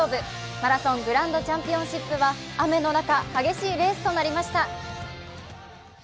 マラソングランドチャンピオンシップは雨の中、激しいレースとなりました。